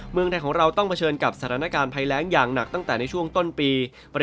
เมืองไทยของเราต้องเผชิญกับสถานการณ์ภัยแรงอย่างหนักตั้งแต่ในช่วงต้นปี